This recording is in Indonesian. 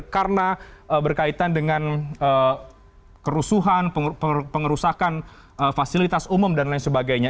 karena berkaitan dengan kerusuhan pengerusakan fasilitas umum dan lain sebagainya